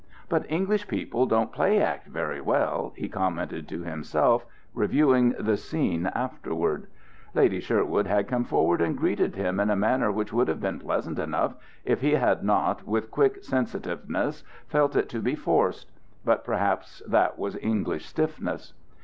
"But English people don't play act very well," he commented to himself, reviewing the scene afterward. Lady Sherwood had come forward and greeted him in a manner which would have been pleasant enough, if he had not, with quick sensitiveness, felt it to be forced. But perhaps that was English stiffness.